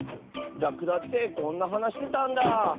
ラクダってこんなはなしてたんだあ。